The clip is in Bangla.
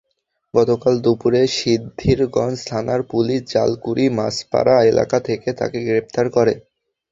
গতকাল দুপুরে সিদ্ধিরগঞ্জ থানার পুলিশ জালকুড়ি মাঝপাড়া এলাকা থেকে তাঁকে গ্রেপ্তার করে।